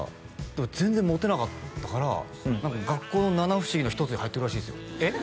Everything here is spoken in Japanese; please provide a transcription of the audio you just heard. でも全然モテなかったから学校の七不思議の一つに入ってるらしいですよえっ？